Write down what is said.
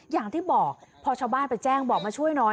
อย่างที่บอกพอชาวบ้านไปแจ้งบอกมาช่วยน้อย